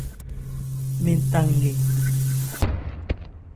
Mɛn ta nkɛ.